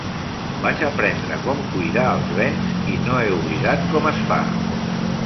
Vaig aprendre com cuidar els bens, i no he oblidat com es fa.